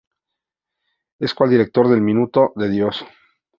Es actual director del Minuto de Dios.